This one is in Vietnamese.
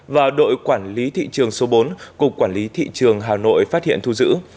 và đội quản lý thị trường số bốn cục quản lý thị trường hà nội phát hiện thu giữ